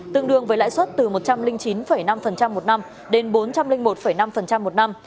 tương đương với lãi suất từ một trăm linh chín năm một năm đến bốn trăm linh một năm một năm